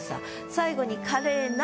最後に「カレー鍋」。